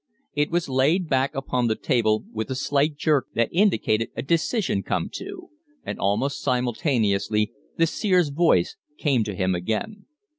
It was laid back upon the table with a slight jerk that indicated a decision come to; and almost simultaneously the seer's voice came to him again.